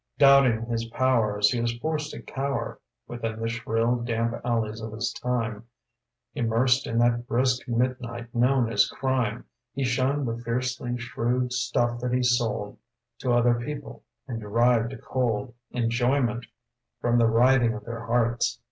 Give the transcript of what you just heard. Doubting his powers he was forced to cower Within the shrill, damp alleys of his time, Immersed in that brisk midnight known as crime. He shunned the fiercely shrewd stuff that he sold To other people, and derived a cold Enjoyment from the writhing of their hearts.